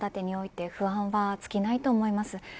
子育てにおいて不安は尽きないと思います。